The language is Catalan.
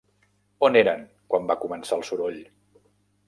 On eren quan va començar el soroll.